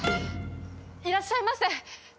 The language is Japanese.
いらっしゃいませ！